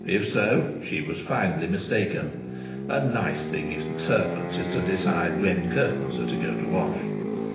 If so, she was finely mistaken. A nice thing if the servant is to decide when curtains are to go to the wash!